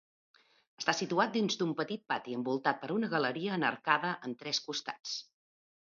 Està situat dins d'un petit pati envoltat per una galeria en arcada en tres costats.